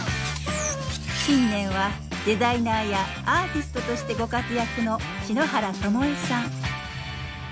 近年はデザイナーやアーティストとしてご活躍の篠原ともえさん。